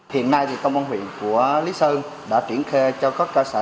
hiện nay thì công an huyện của lý sơn đã chuyển khe cho các trò sở